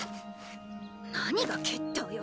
何が決闘よ